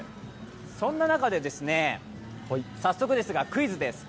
そんな中で、早速ですがクイズです。